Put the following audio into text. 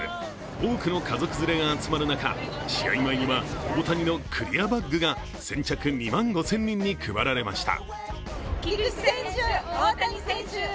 多くの家族連れが集まる中、試合前には大谷のクリアバッグが先着２万５０００人に配られました。